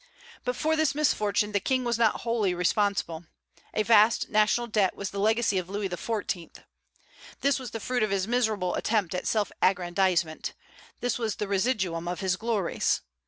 But for this misfortune the King was not wholly responsible: a vast national debt was the legacy of Louis XIV. This was the fruit of his miserable attempt at self aggrandizement; this was the residuum of his glories.